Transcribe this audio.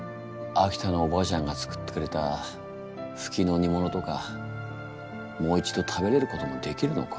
秋田のおばあちゃんが作ってくれたフキのにものとかもう一度食べれることもできるのか？